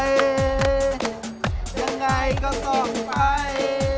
ยังไงก็ต้องไป